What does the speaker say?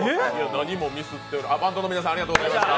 何もミスってない、バンドの皆さんありがとうございました。